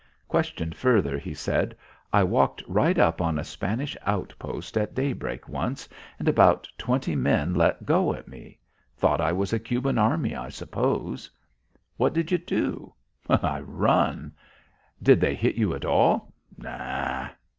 Questioned further he said, "I walked right up on a Spanish outpost at daybreak once, and about twenty men let go at me. Thought I was a Cuban army, I suppose." "What did you do?" "I run." "Did they hit you, at all?"